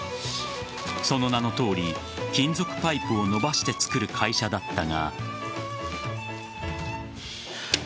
その名のとおり金属パイプを伸ばして作る会社だったが。